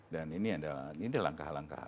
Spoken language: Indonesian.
dan ini adalah langkah langkah